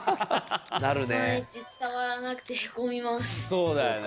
そうだよね。